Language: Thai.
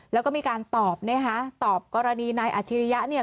แล้วก็มีการตอบนะคะตอบกรณีนายอาชิริยะเนี่ย